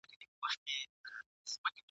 ناځوانه برید وسو !.